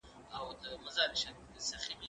زه پرون ښوونځی ته ځم وم!؟